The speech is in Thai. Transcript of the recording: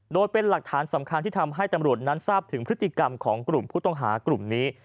โดยเป็นหลักฐานสำคัญที่ทำให้ตำรวจนั้นทราบถึงพฤติกรรมของกลุ่มผู้ต้องหากลุ่มนี้